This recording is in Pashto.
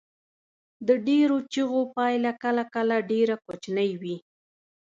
د ډیرو چیغو پایله کله کله ډیره کوچنۍ وي.